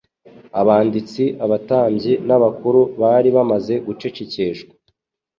Abanditsi, abatambyi n'abakuru bari bamaze gucecekeshwa.